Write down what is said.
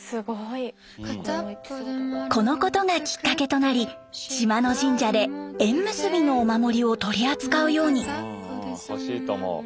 このことがきっかけとなり島の神社で縁結びのお守りを取り扱うように。